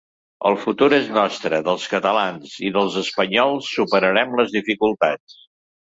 El futur és nostre, dels catalans i dels espanyols, superarem les dificultats.